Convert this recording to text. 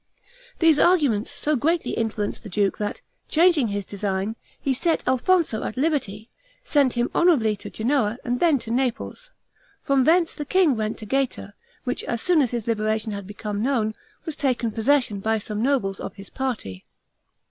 These arguments so greatly influenced the duke, that, changing his design, he set Alfonso at liberty, sent him honorably to Genoa and then to Naples. From thence the king went to Gaeta, which as soon as his liberation had become known, was taken possession of by some nobles of his party.